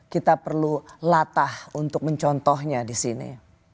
kita perlu latah untuk mencontohnya di sini